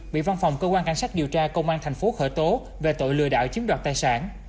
bị văn phòng cơ quan cảnh sát điều tra công an thành phố khởi tố về tội lừa đảo chiếm đoạt tài sản